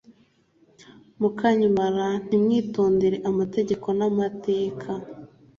mukanyim ra ntimwitondere amategeko n amateka